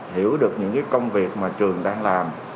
hiểu được những công việc mà trường đang làm